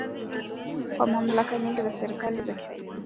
kwa mamlaka nyingi na serikali za kitaifa